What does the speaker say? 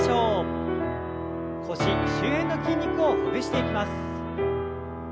腰周辺の筋肉をほぐしていきます。